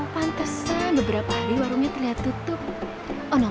pak jajak ituah